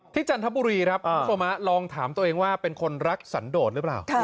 จันทบุรีครับคุณผู้ชมลองถามตัวเองว่าเป็นคนรักสันโดดหรือเปล่า